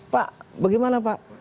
pak bagaimana pak